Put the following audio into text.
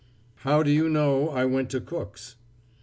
"How do you know I went to Cook's?"